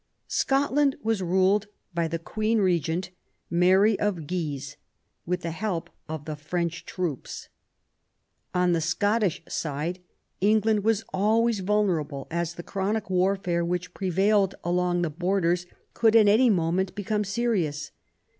Scotland was ruled by the Queen Regent, Mary of Guise, with the help of the French troops. On the Scottish side, England was always vulnerable, as the chronic warfare which prevailed along the Borders could at any moment become serious.